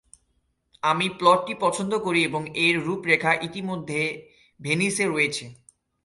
আমি প্লটটি পছন্দ করি এবং এর রূপরেখা ইতোমধ্যে ভেনিসে রয়েছে।